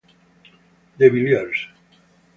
De Villiers